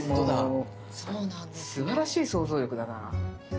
すばらしい想像力だな。